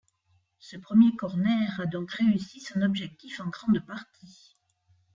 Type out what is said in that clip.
Ce premier corner a donc réussi son objectif en grande partie.